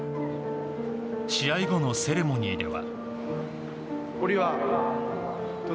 試合後のセレモニーでは。